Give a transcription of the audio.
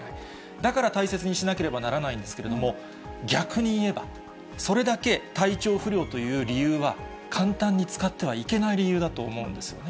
だから大切にしなければならないんですけれども、逆に言えば、それだけ体調不良という理由は、簡単に使ってはいけない理由だと思うんですよね。